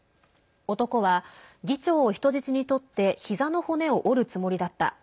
男は議長を人質にとってひざの骨を折るつもりだった。